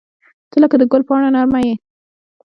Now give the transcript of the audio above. • ته لکه د ګل پاڼه نرمه یې.